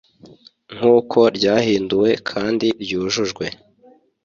nkuko ryahinduwe kandi ryujujwe